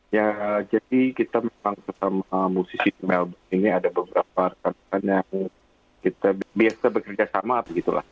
iya jadi kita memang bersama musisi melbourne ini ada beberapa rekan rekan yang kita biasa bekerja sama begitu lah